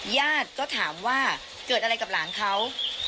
ญาติก็ถามว่าเกิดอะไรกับหลานเขา